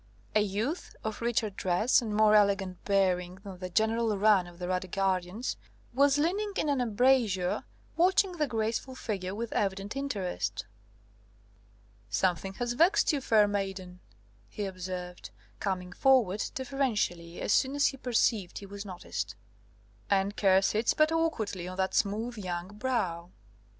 A youth, of richer dress and more elegant bearing than the general run of the Radegundians, was leaning in an embrasure, watching the graceful figure with evident interest. "Something has vexed you, fair maiden?" he observed, coming forward deferentially as soon as he perceived he was noticed; "and care sits but awkwardly on that smooth young brow."